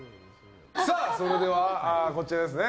それでは、こちらですね。